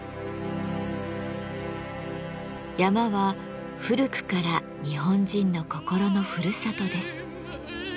山は古くから日本人の心のふるさとです。